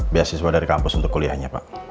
beasiswa dari kampus untuk kuliahnya pak